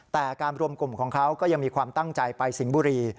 แต่การรวมกลุ่มของเขาก็ยังมีความตั้งใจไปสิงห์บุรี